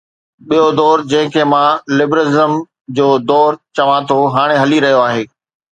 ٻيو دور، جنهن کي مان لبرلزم جو دور چوان ٿو، هاڻي هلي رهيو آهي.